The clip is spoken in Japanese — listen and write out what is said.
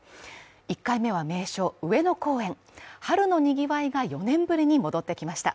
１回目は名所・上野公園春の賑わいが４年ぶりに戻ってきました。